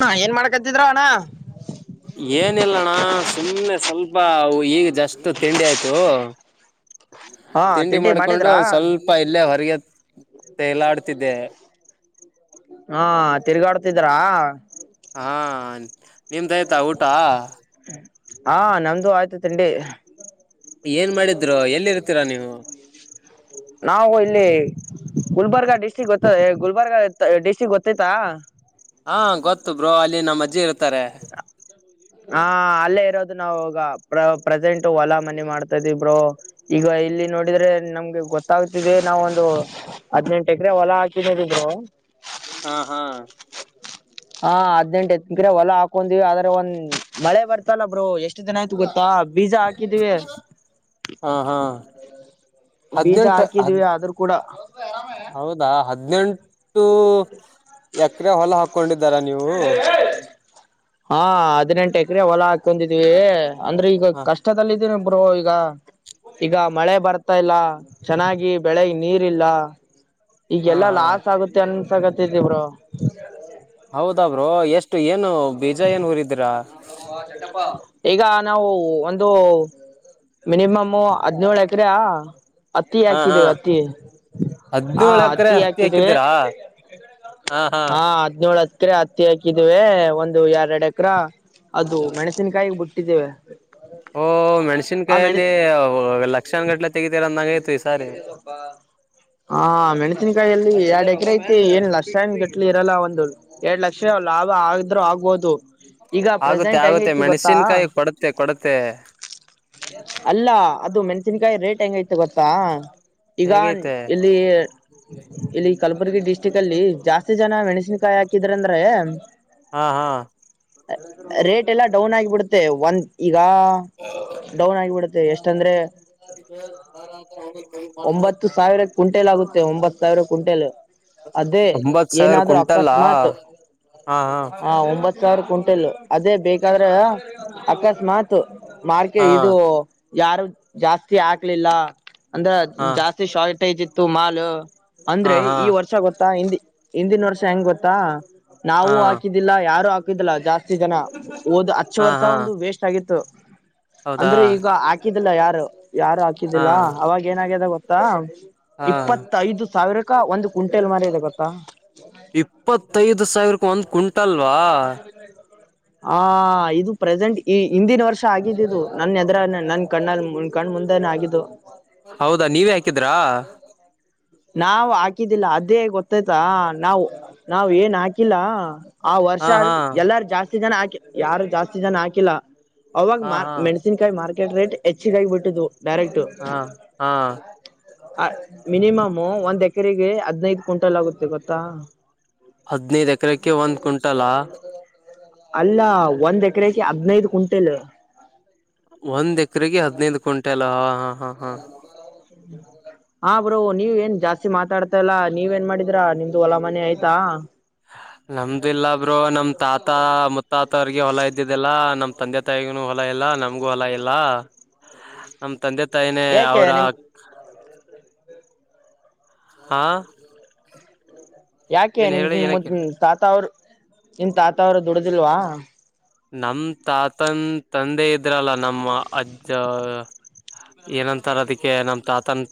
ಹಾ ಏನ್ ಮಾಡಕತ್ತಿದ್ರ ಅಣ್ಣ ಏನಿಲ್ಲಣ್ಣ ಸುಮ್ಮ್ನೆ ಸ್ವಲ್ಪ ಈಗ ಜಾಸ್ತಿ. ಇತ್ತು ತಿಂಡಿ ಆಯ್ತು ಹಾ ತಿಂಡಿ ಮಾಡ್ಕೊಂಡು ಮಾಡಿದ್ರಾ ಒಂದ ಸ್ವಲ್ಪ ಇಲ್ಲೇ ಹೊರಗೆ ತೇಲಾಡತಿದ್ದೆ ಹಾ ತಿರ್ಗಾಡ್ತಿದ್ರಾ ಹನ್ ನಿಮ್ದ ಆಯ್ತಾ ಊಟ ಹಾ ನಮ್ದು ಆಯ್ತು ತಿಂಡಿ ಏನ್ ಮಾಡಿದ್ರು ಎಲ್ಲಿರ್ತೀರಾ ನೀವು ನಾವು ಇಲ್ಲಿ ಗುಲ್ಬರ್ಗಾ ಡಿಸ್ಟ್ರಿಕ್ ಗೊತ್ತ ಗುಲ್ಬರ್ಗ ಡಿಸ್ಟ್ರಿಕ್ ಗೊತ್ತೈತಾ ಹಾ ಗೊತ್ತು ಬ್ರೋ ಅಲ್ಲಿ ನಮ್ಮ ಅಜ್ಜಿ ಇರುತ್ತೆ ಹಾ ಅಲ್ಲೇ ಇರೋದು ನಾವು ಈಗ ಪ್ರೆಸೆಂಟ್ ಹೊಲ ಮನಿ ಮಾಡ್ತ ಇದಿನಿ ಬ್ರೋ ಈಗ ಇಲ್ಲಿ ನೋಡಿದ್ರೆ ನಮ್ಗೆ ಗೊತ್ತಾಗ್ತಿದೆ ನಾವೊಂದು ಹದಿನೆಂಟು ಎಕರೆ ಹೊಲ ಹಾಕಿದಿನಿ ಬ್ರೋ ಹಾ ಹಾ ಹಾ ಹದಿನೆಂಟು ಎಕ್ರೆ ಹೊಲ ಹಾಕೊಂಡಿವಿ ಆದ್ರೆ ಒಂದ್ ಮಳೆ ಬರ್ತಿಲ್ಲ ಬ್ರೋ ಎಷ್ಟು ದಿನ ಆಯ್ತು ಗೊತ್ತಾ ಬೀಜ ಹಾಕಿದೀವಿ ಹಾ ಹಾ ಬೀಜ ಹದ್ನೆಂಟ ಹದ್ ಹಾಕಿದೀವಿ ಆದ್ರೂ ಕೂಡ ಹೌದಾ ಹದ ಹದಿನೆಂಟ ಇಷ್ಟೂ ಎಕರೆ ಹೊಲ ಹಾಕೊಂಡಿದ್ದಾರ ನೀವು ಹಾ ಹದಿನೆಂಟು ಎಕ್ರೆ ಹೊಲ ಹಾಕ್ ಹಾಕೊಂಡಿದ್ವಿ ಅಂದ್ರೆ ಈಗ ಹ ಕಷ್ಟದಲ್ಲಿ ಹಾಕೊಂಡಿದಿವಿ ಬ್ರೋ ಈಗ ಈಗ ಮಳೆ ಬರ್ತಾ ಇಲ್ಲ ಚೆನ್ನಾಗಿ ಬೆಳೆಗ್ ನೀರ್ ಇಲ್ಲ ಹಾ ಈಗೆಲ್ಲಾ ಹಾ ಲಾಸ್ ಆಗುತ್ತೆ ಅನ್ಸಗತ್ತೆ ಇರ್ಲಿ ಬ್ರೋ ಹೌದ ಬ್ರೋ ಎಷ್ಟು ಏನು ಬೀಜ ಏನ್ ಹುರಿದ್ರಾ ಈಗ ನಾವು ಒಂದು ಮಿನಿಮಮ್ ಮಿನಿಮಮ್ ಹದ್ನೇಳು ಎಕರೆ ಅತ್ತಿ ಹಾ ಹಾ ಹಾಕಿದ್ದೇವಿ ಅತ್ತಿ ಹ ಹದ್ನೇಳು ಎಕರೆ ಅತ್ತಿ ಹತ್ತಿ ಹಾಕಿದ್ದೇವೆ ಹಾಕಿದ್ದೀರಾ ಹಾ ಹದಿನೇಳು ಹತ್ ಎಕರೆ ಹತ್ತಿ ಹಾಕಿದ್ದೇವೆ ಒಂದು ಎರಡು ಎಕ್ರ ಅದು ಮೆಣಸಿನಕಾಯಿ ಬಿಟ್ಟಿದ್ದೇವೆ ಓ ಆ ಮೆಣಸಿನಕಾಯಿ ಮೆಣ ಯಲ್ಲಿ ಲಕ್ಷನ್ ಗಟ್ಲೆ ತೆಗಿತೀರಂದಂಗಯ್ತು ಈ ಸಾರಿ ಅ ಐತೆ ಏನ್ ಲಕ್ಷನ್ ಗಟ್ಟ್ಲೇ ಎನ್ ಇರಲ್ಲ ಒಂದು ಎರಡ್ ಲಕ್ಷ ಲಾಭ ಆದ್ರೂ ಆಗ್ಬೋದು ಈಗ ಆಗುತ್ತೆ ಪ್ರೆಸೆಂಟ್ ಆಗುತ್ತೆ ಹೆಂಗೈತಿ ಗೊತ್ತಾ.... ಮೆಣಸಿನ್ಕಾಯಿ ಕೊಡುತ್ತೆ ಕೊಡುತ್ತೆ ಅಲ್ಲ ಅದು ಮೆಣಸನ್ಕಾಯಿ ರೇಟ್ ಹೆಂಗೈತೆ ಗೊತ್ತಾ ಈಗ ಹೇಗೈತೆ ಇಲ್ಲಿ ಇಲ್ಲಿ ಕಲಬುರಗಿ ಡಿಸ್ಟ್ರಿಕ್ ಅಲ್ಲಿ ಜಾಸ್ತಿ ಎಷ್ಟು ಜನ ಮೆಣಸಿನ ಕಾಯಿಕಿ ಹಾಕಿದಂದು ಹಾ ಹಾ ರೇಟ್ ಎಲ್ಲ ಡೌನ್ ಆಗಿಬಿಡುತ್ತೆ ಒಂದ್ ಗಾ ಡೌನ್ ಆಗಿಬೇಡುತ್ ಎಷ್ಟಂದ್ರೆ ಇ ಅನ್ ಇಂಡೆಜಿಬಲ್ [unintelligible] ಒಂಬತ್ತು ಸಾವಿರಕ್ ಕುಂಟಲ್ ಆಗುತ್ತೆ ಒಂಬತ್ ಸಾವಿರ ಕುಂಟೆಲ್ ಅದೇ ಒಂಬತ್ ಸಾವಿರ ಏನಾದ್ರೂ ಕುಂಟಲ್ಲಾ ಅಕಸ್ಮಾತ್ ಹಾ ಹಾ ಹ ಒಂಬತ್ ಸಾವಿರ ಕುಂಟ ಅದೇ ಬೇಕಾದ್ರೆ ಅಕಸ್ಮಾತ್ತು ಮಾರ್ಕೆ ಹಾ ಇದು ಯಾರು, ಜಾಸ್ತಿ ಆಕ್ಲಿಲ್ಲ ಅಂದ್ರ ಹಾ ಜಾಸ್ತಿ ಶಾ ಅಷ್ಟೇ ಇತ್ತು ಮಾಲ್ ಅಂದ್ರೆ ಹಾ ಈ ವರ್ಷ ಗೊತ್ತಾ ಹಿಂದಿ ಹಿಂದಿನ ವರ್ಷ ಹೆಂಗ್ ಗೊತ್ತಾ ಹಾ ನಾವು ಹಾಕಿದ್ದಿಲ್ಲ ಯಾರು ಹಾ ಹಾಕಿ ದಲ್ಲ ಜಾಸ್ತಿ ಜನ ಓದ್ ಹಚ್ಚ ಹಾ ವರ್ಷ ಹಾ ಒಂದು ವೇಸ್ಟ್ ಆಗಿತ್ತು ಹೌದಾ ಅಂದ್ರೆ ಈಗ ಹಾಕಿದಿಲ್ಲ ಯಾರು ಯಾರು ಹಾ ಹಾಕಿದ್ದಿಲ್ಲಾ ಏನಾಗ್ಯದ ಗೊತ್ತಾ ಹಾ ಇಪ್ಪತ್ತ ಐದು ಸಾವಿರ ಅಕ್ಕ ಒಂದು ಕ್ವಿಂಟೆಲ್ ಮರ ಇದೆ ಗೊತ್ತಾ ಇಪ್ಪತ್ತೈದು ಸಾವಿರ ಒಂದ್ ಕುಟ ಇತ್ತಲ್ವಾ ಆ ಇದು ಪ್ರೆಸೆಂಟ್ ಈ ಹಿಂದಿನ ವರ್ಷ ಚಾ ಆಗಿದ್ದು ನನ್ನ ಎದ್ರ ನನ್ ಕಣ್ಣಾಲ್ ಹೌದಾ ನೀವ ಹಾಕಿದ್ರಾ ನಾವು ಹಾಕಿದ್ದಿಲ್ಲ ಅದೇ ಗೊತ್ತಾಯ್ತಾ ನಾವು ನಾವ ಏನ್ ಹಾಕಿಲ್ಲ ಆ ವರ್ಷ ಹಾ ಹಾ ಎಲ್ಲಾರು ಜಾಸ್ತಿ ಜಾಸ್ತಿ ಜನ ಹಾಕಿ ಯಾರು ಜಾಸ್ತಿ ಜನ ಹಾಕಿಲ್ಲ ಅವಾಗ ಹಾ ಮಾರ್ ಹಾ ಮೆಣಸಿನ್ ಕಾಯಿ ಮಾರ್ ಟಿಕೆಟ್ ರೇಟ್ ಹೆಚ್ಚಿಗಾಗಿ ಬಿಟ್ಟು ಹಾ ಹಾ ಹ ಮಿನಿಮಮ್ ಒಂದ್ ಎಕರೆಗೆ ಹದ್ನೈದು ಕ್ವಿಂಟಲ್ ಆಗುತ್ತೆ ಗೊತ್ತಾ ಹದ್ನೈದ ಎಕರೆಕ್ಕೆ ಒಂದ್ ಕ್ವಿಂಟಲಾ ಅಲ್ಲ ಒಂದ್ ಎಕರೆಗೆ ಹದ್ನೈದು ಕು್ಂಟೆಲ್ ಒಂದ ಎಕರೆಗೆ ಹದಿನೈದು ಕ್ಂಟೆಲ್ಾ ಹಾ ಹಾ ಹ ಬ್ರೋ ನೀವ್ ಏನ್ ಜಾಸ್ತಿ ಮಾತಾಡ್ತಾ ಇಲ್ಲಾ ನೀವ್ ಏನ್ ಮಾಡಿದ್ರ ನಿಮ್ದು ಹೊಲ ಮನೆ ಆಯ್ತಾ ನಮ್ದ ಇಿಲ್ಲಾ ಬ್ರೋ ನಮ್ ತಾತ ಮುತ್ತಾತ ವರಿಗೆ ಹೊಲಾ ಇದ್ದಿದೆಲ್ಲ ನಮ ತಂದೆ ತಾಯಿಗೂ ಹೊಲ ಇಲ್ಲ ನಮ್ಗೂ ಹೊಲ ಇಲ್ಲ ನಮ ತಂದೆ ತಾಯಿನೇ ಯಾಕೆ ಅವ್ರ ನಿಮ್ ಆ ಯಾಕೆ ನಿಮ್ದದ್ ತಾತ ಅವರು ನಿಮ್ ತಾತ ಅವರು ದುಡ್ದಿಲ್ವಾ ನಮ್ ತಾತನ್ ತಂದೆ ಇದ್ರಲ್ಲ ನಮ್ಮ ಅಜ್ಜ ಏನಂತಾರ ಅದಕ್ಕೆ ನಮ್ ತಾತನ್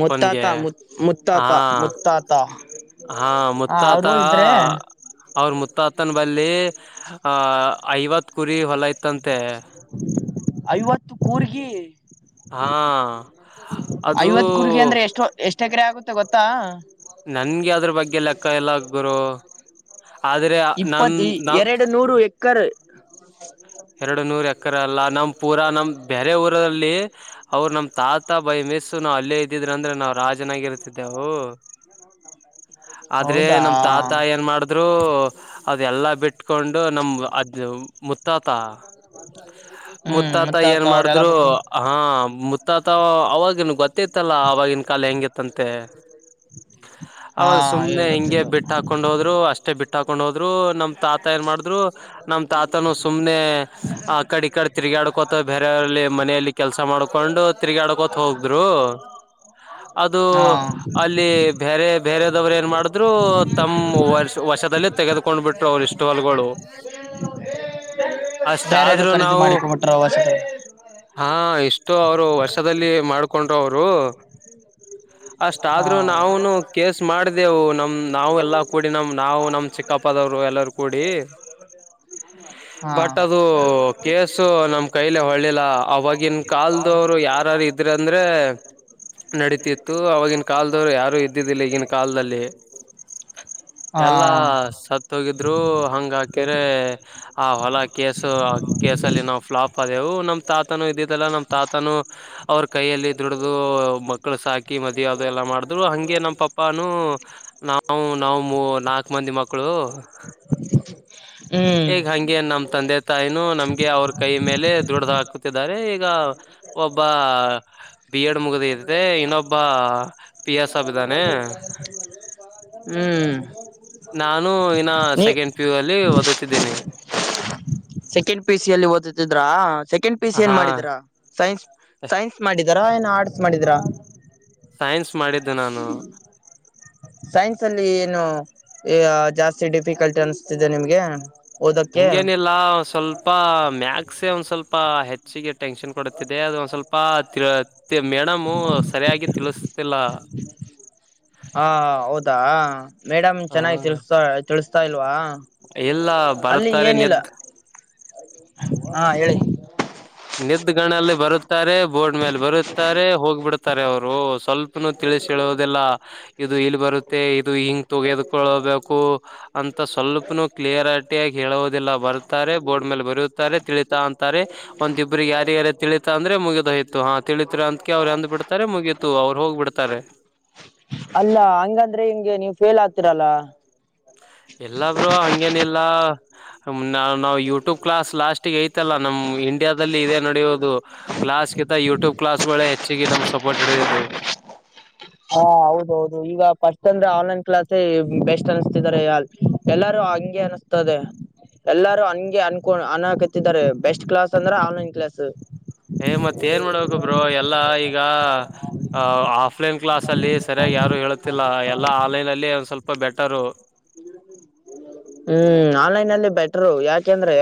ಮುತ್ತಾತಾ ಮುತ್ತಾತಾ ಮುತ್ತಾತಾ ಹಾ ಮುತ್ತಾತ ಅವ್ರ ಮುತ್ತಾತನ್ ಬ ಅಲ್ಲಿ ಆ ಐವತ್ ಕುರಿ ಹೊಲ ಇತ್ತಂತೆ ಐವತ್ತು ಕೂರ್ಗಿ ಹಾ ಅದು ಆಗತ್ತೆ ಗೊತ್ತಾ ನನ್ಗೆ ಅದ್ರ ಬಗ್ಗೆ ಲೆಕ್ಕ ಎಲ್ಲ ಬ್ರೋ ಇಪ್ಪತ್ ಎರಡು ನೂರು ಎಕ್ಕರ್ ಎಕ್ರಲ್ಲ ನಮ್ ಪೂರ ನಮ್ ಬೇರೆ ಊರಲ್ಲಿ ಅವ್ರ ನಮ್ ತಾತ ಬೈ ಮೆಸ್ಸು ನಾವ್ ಅಲ್ಲೇ ಇದ್ದಿದ್ರಂದ್ರೆ ನಾವ್ ರಾಜನಾಗಿರ್ತಿದ್ದೆವು ಆದ್ರೆ ಹೌದಾ ನಮ್ ತಾತ ಏನ್ ಮಾಡಿದ್ರು ಅದೆಲ್ಲಾ ಬಿಟ್ಕೊಂಡು ನಮ ಅದ ಮುತ್ತಾ ತಾ ಹ್ಮ್ ಮುತ್ತಾತ ಮತ್ತಾತ ಏನ್ ಅವ್ರೆಲ್ಲ ಮಾಡಿದ್ರು ಬಿಟ್ಕೊಂಡ ಹಾ ತ ಅವಾಗನು ಗೊತ್ತ ಲ್ಲ ಆವಾಗಿನ ಕಾಲ ಹೆಂಗೆ ಅಂತೆ ಹಾ ಅವಾಗ ಸುಮನೆ ಹಿಂಗೆ ಗೊತ್ತಿತ್ತು ಬಿಟ್ಟು ಹಾಕೊಂಡ್ ಹೋದ್ರು ಅಷ್ಟೇ ಬಿಟ್ಟ ಹಾಕ ಕೊಂಡ ಹೋದ್ರು ನಮ ತಾತ ಏನ್ ಮಾಡಿದ್ರು ನಮ್ ತಾತನು ಆ ಕಡೆ ಈ ಕಡೆ ತಿರುಗಾಡ್ಕೊತ ಬೇರೆಯವ್ರಲ್ಲಿ ಮನೆಯಲ್ಲಿ ಕೆಲಸ ಮಾಡ್ಕೊಂಡು ತಿರುಗಾಡ್ಕೋತ ಹೋಗದ್ರು ಅದು ಹಾ ಅಲ್ಲಿ ಬೇರೆ ಬೇರದವ್ರು ಏನ್ ಮಾಡ್ರು ತಮ್ಮ ವಷ ವಶದಲ್ಲಿ ತೆಗೆದುಕೊಂಡ್ ಬಿಟ್ರು ಅವರು ಇಷ್ಟು ಹೊಲ್ಗಳು ಬೇರೆರು ಖರೀದಿ ಮಾಡಿಕೊಂಬಿಟ್ರ ಅವಸರ ಎಷ್ಟು ಅವರು ವರ್ಷದಲ್ಲಿ ಮಾಡ್ಕೊಂಡ್ರು ಅವರು ಅಷ್ಟ ಆದ್ರೂ ಹಾ ನಾವುನು ಕೇಸ್ ಮಾಡಿದೆೆವು ನಮ ನಾವ ಎಲ್ಲಾ ಕೂಡಿ ನಮ ನಾವು ನಮ್ ಚಿಕ್ಕಪ್ಪದವರು ಎಲ್ಲರು ಕೂಡಿ ಹಾ ಬಟ್ ಅದು ಕೇಸು ನಮ ನಮ್ ಕೈಲೆ ಹೊಳ್ಳಿಲ್ಲ ಒಳ್ಳಿಲ್ಲ ಅವಾಗಿನ ಅವವಾಗಿನ್ ಕಲ್ದವರು ಕಾಲದವ್ರು ಯಾರಾರ ಯಾರಾರು ಇದ್ರ ಇದ್ರು ಅಂದ್ರೆ ನಡತಿತ್ತು ಕಾಲದವ್ರು ಯಾರು ಇದ್ದಿದ್ದಿಲ್ಲ ಈಗಿನ ಕಾಲದಲ್ಲಿ ಹಾ ಎಲ್ಲಾ ಸತ್ತ ಹೋಗಿದ್ದು ಇದ್ರು ಹಂಗ ಹಾಕ್ಯರೆ ಆ ಹೊಲ ಕೇಸು ಕೇಸಲ್ಲಿ ನಾವು ಫ್ಲಾಪ್ ಆದೆವು ನಮ್ಮ ತಾತನುೂ ಇದಿದ್ದಲ್ಲ ನಮ್ಮ ತಾತನುೂ ಅವ್ರ ಕೈಯಲ್ಲಿ ದುಡ್ದು ಮಕ್ಕಳು ಸಾಕಿ ಮದ ಅವದು ಎಲ್ಲ ಮಾಡಿದ್ರು ಹಗೆ ನಮ್ಮ ಪಪ್ಪಾನೂ ನಾವು ನಾವು ಮೂ ನಾಲ್ಕು ಮಂದಿ ಮಕ್ಕಳು ಹ ಹ್ಮ್ ಈಗ ಹಂಗೆ ನಮ್ ತಂದೆ ತಾಯಿನ ನಮ್ಗೆ ಅವ್ರ ಕೈ ಮೇಲೆ ದುಡ್ದ ಹಾಕತಿದ್ದಾರೆ ಈಗ ಈಗ ಒಬ್ಬ ಬಿ ಎಡ್ ಮುಗಿದೆ ಇನ್ನೊಬ್ಬ ಪಿ ಎಸ್ ಅಬಿದ್ದಾನೆ ಹ ನಾನು ಇನ್ನ ಸೆಕೆಂಡ್ ಪ್ಯೂ ಅಲ್ಲಿ ಓದುತ್ತಿದ್ದೇನೆ ಸೆಕೆಂಡ್ ಪಿ ಸಿ ಅಲ್ಲಿ ಓದತ್ತಿದ್ರಾ ಸೆಕೆಂಡ್ ಪಿ ಸಿ ಏನ್ ಹಾ ಮಾಡಿದ್ರಾ ಸೈನ್ಸ್ ಸೈನ್ಸ್ ಮಾಡಿದರ ಏನ ಆರ್ಟ್ಸ್ ಮಾಡಿದ್ರಾ ಸೈನ್ಸ್ ಮಾಡಿದ್ದು ನಾನು ಸೈನ್ಸ್ ಅಲ್ಲಿ ಏನು ಜಾಸ್ತಿ ಡಿಫಿಕಲ್ಟ್ ಅನ್ಸ್ತಿದೆ ನಿಮ್ಗೆ ಓದಕ್ಕೆ ಹಂಗೇನಿಲ್ಲ ಸ್ವಲ್ಪ ಮ ಸೆ ಒಂದ್ ಸ್ವಲ್ಪ ಹೆಚ್ಚಿಗೆ ಟೆನ್ಷನ್ ಕೊಡುತ್ತಿದೆ ಅದ ಒಂದ್ ಸ್ವಲ್ಪ ಮ ಮೇಡಮು ಸರಿಯಾಗಿ ತಿಳಸ ಇಲ್ಲ ಹಾ ಹ ಹೌದಾ ಮೇಡಮ್ ಚೆನ್ನಾಗಿ ತಿಸ. ತ ಇಲ್ವಾ ಎಲ್ಲ ಅಲ್ಲಿ ಬರುತ್ತಾರೆ ಏನಿಲ್ಲ ನೆ್ದು ಹಾ ಹೇಳಿ ನಿದ್ದ ಗಣಲ್ಲಿ ಬರುತ್ತಾರೆ ಬೋರ್ಡ್ ಮೇಲೆ ಬರುತ್ತಾರೆ ಹೋಗ್ಬಿಡ್ತಾರೆ ಅವರು ಸ್ವಲ್ಪನುೂ ತಿಳಿಸಿ ಹೇಳೋುದಿಲ್ಲ ಇದು ಇಲ್ಲಿ ಬರುತ್ತೆ ಇದು ಹಿಂಗ ತೆಗೆದಕೊಳ್ಳೋಬೇಕು ಅಂತ ಸ್ವಲ್ಪನು ಕ್ಲಿಯರಿಟಿಿಯಾಗಿ ಹೇಳೋುದಿಲ್ಲ ಬರುತ್ತಾರೆ ಬೋರ್ಡ್ ಮೇಲೆ ಬರುತ್ತಾರೆ ತಿಳಿತಾ ಅಂತಾರೆ ಒಂದಿಬ್ರಿಗೆ ಯಾರ ಯಾರ ತಿಳೀಿತ ಅಂದ್ರೆ ಮುಗಿದೋಯ್ತು ಹಾ ತಿಳಿತ ಅಂದಕ ಅವ್ರು ಅಂದ್ ಬಿಡ್ತಾರೆ ಮುಗೀತು ಅವ್ರು ಹೋಗ್ಬ ಬಿಡ್ತಾರೆ ಇತ್ರರಲ ಎಲ್ಲಬ್ರು ಹಂಗೇನ ಇಿಲ್ಲಾ ನಾವ ನಾವ್ ಯೂಟ್ಯೂಬ್ ಕ್ಲಾಸ್ ಲಾಸ್ಟ್ಗ ಐತಲ್ಲಾ ನಮ್ ಇಂಡಿಯಾದಲ್ಲಿ ಇದೇ ನಡಿಯೋುದು ಕ್ಲಾಸ್ಗಿಂತ ಯೂಟ್ಯೂಬ್ ಕ್ಲಾಸ್ಗಳೆ ಹೆಚ್ಚಿಗೆ ನಮ್ ಸಪೋರ್ಟ್ ಹಿಡಿದ್ದು ಹಾ ಹೌದೌದು ಈಗ ಫಸ್ಟ್ ಅಂದ್ರೆ ಆನ್ಲೈನ್ ಕ್ಲಾಸ್ೇ ಬೆಸ್ಟ್ ಅನಿಸತಿದ್ದಾರೆ ಎಲ್ಲಾರು ಹಂಗೆ ಅನಸ್ತದೆ ಎಲ್ಲಾರು ಹಂಗೆ ಅನ್ಕೊ ಅನ್ಕತ್ತಿದ್ದಾರೆ ಬೆಸ್ಟ್ ಕ್ಲಾಸ್ ಅಂದ್ರೆ ಆನ್ಲೈನ್ ಕ್ಲಾಸ್ ಏ್ ಮತ್ತ ಏನ್ ಮಾಡ್ಬೇಕಬ್್ರರು ಎಲ್ಲಾ ಈಗ ಆಫ್ಲೈನ್ ಕ್ಲಸ್ ಅಲ್ಲಿ ಸರಿಯಾಗಿ ಯಾರು ಹೇಳುತ್ತಿಲ್ಲ ಎಲ್ಲ ಆನ್ಲೈನ್ ಅಲ್ಲಿ ಒಂದ್ ಸ್ವಲ್ಪ ಬೆಟ್ಟ ತರು ಹ್ಮ್ ಆನ್ಲೈನ್ಲ್ಲಿ ಬೆಟರು ಯಾಕೆಂದ್ರೆ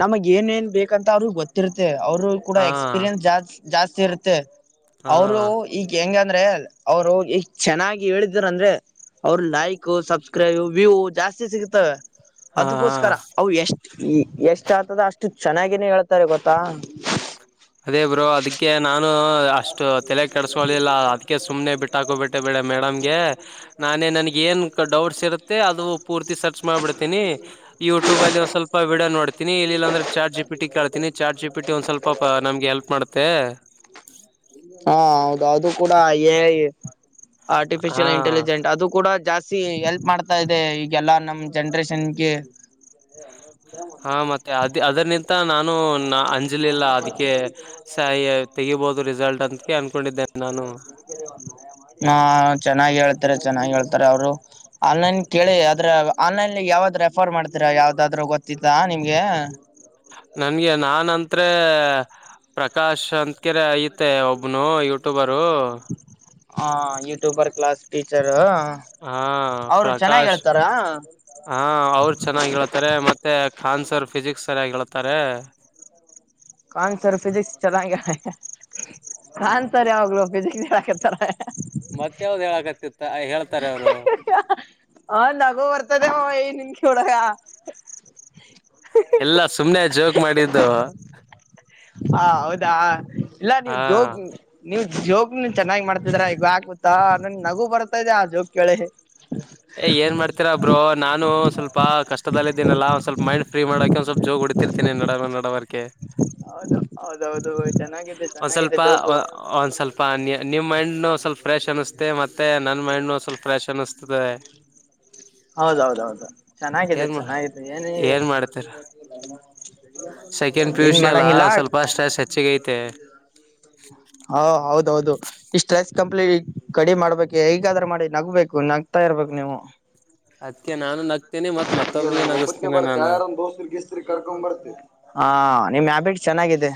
ನಮಗ್ ಏನ್ೇಏನ್ ಬೇಕಂತ ಅವ್ರಗ ಗೊತ್ತಿರ್ತೆೇ ಅವರು ಕೂಡ ಹಾ ಎಕ್ಸ್ಪೀರಿಯನ್ಸ್ ಜಾಸ್ತಿ ಜಾಸ್ತಿ ಇರುತ್ತೆ ತ್ತ ಹಾ ಅವರು ಈಗ ಹೆಂಗ ್ರ ಅವರು ಚೆನ್ನಾಗಿ ಹೇಳಿದರು ಅಂದ್ರೆ ಅವರು ಲೈಕ್ ಸಬ್್ರ ್ರ ವ್ಯವು ಜಾಸ್ತಿ ಸಿಗತಾವ ಹಾ ಹಾ ಅದಕ್ಕೋಸ್ಕರ ಅವು ಎಷ್ಟ ಎಷ್ಟ ಆತದ ಅಷ್ಟು ಚೆನ್ನಾಗಿ ಹನ ಹೇಳ್ತಾರೆ ಗೊತ್ತಾ ಅದೇ ಬ್ರೋ ಅದಕ್ಕೆ ನಾನು ಅಷ್ಟು ತಲೆ ಕೆಡ್ಸಕಲಿಲ್ಲ ಅದ್ಕ್ಕೆ ಸುಮ್ನೆ ಬಿಟ್ಟಾಕೋ ಬಿಿಟ್ಟೆ ಬೇಡ ಮೇಡಮ್ಗೆ ನಾನೇ ನನ್ಗೆ ಏನ್ ಡೌಟ್ಸ್ ಇರುತ್ತೆ ಅದು ಪೂರ್ತಿ ಸರ್ಚ್ ಮಾಡ್ಬಿಡ್ತೀನಿ ಯೂಟ್ಯೂಬ ಅಲ್ಲಿ ಒಂದ್ ಸ್ವಲ್ಪ ಸ್ಪ ಬಿಡ ನೋಡ್ತೀಿ ಇ ಅಂದ್ರೆ ಚಾರ್ ಜಿಟ ಕಳ್ತಿನಿ ಚಾರ್ ಜಿ ಒಂದ ಸ್ವಲ್ಪ ನಮ್ಗೆ ಎಲ್ಪ್ ಮಾಡುತ್ತೆ ಹಾ ಹೌದು ಅದು ಕೂಡ ಆರ್ಟಿಿಯಲ್ ಹಾ ಇಂಟೆಲಿಜೆಂಟ್ ಅದು ಕೂಡ ಜಾಸ್ತಿ ಎಲ್ಪ್ ಮಾಡ್ತಾ ಇದೆ ಈಗೆಲ್ಲಾ ನಮ ಜನ್ರೇಷನ್ಗೆ ಹಾ ಮತ್ತೆ ಅದ ಅದರಿ ನಾನು ಅಂಜಲಿಲ್ಲ ಅದಕ್ಕೆ ತೆಗಬಹುದು ರಿಸಲ್ಟ್ ಅಂತಿ ಅನ್ಕೊಂಡಿದ್ದೇನೆ. ನಾನು ಹಾ ಚೆನ್ನಾಗಿ ಹೇಳ್ತಾರೆ ಚೆನ್ನಾಗಿ ಹೇಳ್ತ. ತರ ಅವರು. ಆನ್ಲೈನ್ ಕೇಳಿ. ಆನ್ಲೈನ್ಲ್ಲಿ ಯಾವ್ದ ರೆಫರ್ ಮಾಡ್ತೀರಾ ಯಾವ್ದಾದ್ರೂ ಗೊತ್ತತ್ತ ನಿಮ್ಗೆ ನನ್ಗೆ ನಾನ್ ಅಂತ್ರ ಪ್ರಕಾಶ್ ಅಂತಕರೆ ಐತೆ ಒಬ್ನು ಯೂಟ್ಯೂಬರ್ ಯಾರು ಹ ಯೂ್ಯೂಬರ್ ಕ್ಲಾಸ್ ಟೀಚ್ ಹಾ ಚೆನ್ನಾಗ್ ಪ್ರಕಾಶ್ ಹೇಳ್ತಾರ ಹಾ ಅವರು ಚೆನ್ನಾಗಿ ಹೇಳ್ತಾರೆ ಮತ್ತೆ ಆನ್ಸರ್ ಫಿಸಿಕ್ಸ್ರಯ ಹೇಳ್ತಾರೆ ಕಾನ್ಸರ್ ಫಿಸಿಕ್ಸ್ ಚೆನ್ನಂಗ ಕಾನ್ಸರ್ ಯಾವಾಗ್ಲೂ ಫಿಸಿಿಕ್ ನೀರ್ ಹಾಕತಾರ ಮತ್ತ ಯಾವ್ದ್ ಹೇಳಕತಿತ್ತ ಹ ನಗೋ ಬರ್ತದೆ ಹ ನಿಮ ಕಡಕ ಎಲ್ಲಾ ಸುಮ್ನೆ ಜೋಕ್ ಮಾಡಿದ್ದು ದಾ ಇಲ್ಲ ನೀವು್ ಹಾ ಜೋಗ ನೀವ ಜೋಕ್ ನೀನ್ ಚೆನ್ನಾಗಿ ಮಾಡ್ತಿದರ ಇಗ ಆಗುತ್ತಾ ನನ್ ನಗು ಬರುತ್ತ ತದೆ ಆ ಜೋಕ್ ಕೇಳಿ ಏ್ ಏನ್ ಮಾಡತರಾ ಬಬ್್ರೋ ನಾನು ಸ್ವಲ್ಪ ಕಷ್ಟದದಲ್ಲಿ ಇದೀನಲ್ಲ ಒಂದ ಸ್ವಲ್ ಮೈಂಡ್ ಫ್ರೀ ಮಾಡೋಕೆ ಒಂದ ಸ್ವಲ್ಪ್ ಜೋಕ್ ಹ ಹೊಡತಿರ್ ನ್ನಡ ನನ್ನಡವರ್ಕ ಹೌದು ಹೌದೌದು ಚೆನ್ನಾಗಿದೆ ಒಂದ್ ಚೆನ್ನಾಗಿದೆ ಸ್ವಲ್ಪ ಜೋಕು ಒಂದ್ ಸ್ವಲ್ಪ ನಿಮ್ ಮೈಂಡ್ಂದ್ ಸ್ವಲ್ಪ ಫ್ರೆಶ್ ಅನಿಸಸ್ತೆ ಮತ್ತೆ ನನ್ ಮೈಂಡ್ಂದ್ ಸ್ವಲ್ಪ ಫ್ರೆಶ್ ಅನಸ್ತತೆ ತದೆ ಹೌದೌದೌದು ಚೆನ್ನಾಗಿದೆ ಏನ್ ಚೆನ್ನಾಗಿದೆ ಏನ ಏನ್ ಮಾಡ್ತೀರ ಸೆಕೆಂಡ್ ಪಿ ಯು ಏನ್ ಸಿ ಅಲ್ಲ ಮಾಡಂಗಿಲ್ಲ ಸ್ವಲ್ಪ ಸ್ಟ್ರೆಸ್ ಹೆಚ್ಚಿಗೆ ಐತೆ ಹಾ ಹೌದೌದು ಇಷ್ಟು ರೈಸ್ ಕಂಪ್ಲೀಟ್ ಕಡಿ ಮಾಡ್ಬೇಕು ಈಗಾದ್ರೆ ಮಾಡಿ ನಗ್ಬೇಕು ನಗ್ತಾ ಇರ್ಬೇಕು ನೀವು ಅದ್ಕ್ಕೆ ನಾನು ನಗ್ತೀನಿ ಮತ್ ಮತ್ತೊಬ್ರಿಗೆ ಒಬ್ಬೇ ನಗಸ್ತೇನೆ ಬರ್ ನಾನು ಯಾರಂದ ದೋಸ್ತ್ಸ್್ರ ಕರ್ಕೊಂಡ್ ಬರ್ತ ಚೆನ್ನಾಗಿದೆ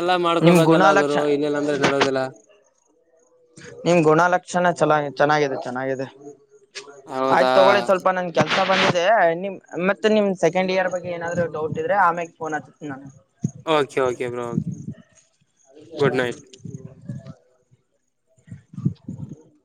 ಎಲ್ಲಾ ನಿಮ್ ಮಾಡ್ಕೊಬೇಕಲ್ಲ ಗುಣಲಕ್ಷ ಗರು ಇನ್ನೇಿಲ್ಲ ಅಂದ್ರೆ ನಡೋದಿಲ್ಲ ನಿಮ್ ಗುಣಲಕ್ಷಣ ಚನ್ನ ಚೆನ್ನಾಗಿದೆ ಚೆನ್ನಾಗಿದೆ ಆಯ್ತು ಹೌದಾ ತಗೊಳ್ಳಿ ಸ್ವಲ್ಪ ನನ್ ಕೆಲಸ ಬಂದಿದೆ ನಿಮ್ ಮತ್ತೆ ನಿಮ್ ಸೆಕೆಂಡ್ ಇಯರ್ ಬಗ್ಗೆ ಏನಾದ್ರು ಡೌಟ್ ಇದ್ರೆ ಆಮ್ಯೆ ಫೋನ್ ಹಚ್ತೀನಿ ನಾನು ಓಕೆ ಓಕೆ ಬರೋ ಕೆ ಗುಡ್ ನೈಟ್